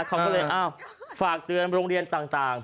เขาก็เลยอ้าวฝากเตือนโรงเรียนต่าง